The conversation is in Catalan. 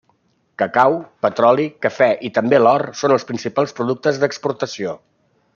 Cacau, petroli, cafè i també l'or són els principals productes d'exportació.